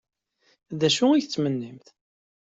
D acu ay tettmennimt?